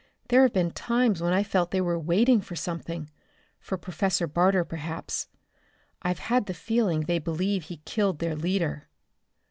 There have been times when I felt they were waiting for something, for Professor Barter, perhaps. I've had the feeling they believe he killed their leader."